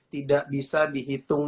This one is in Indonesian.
tidak bisa dihitung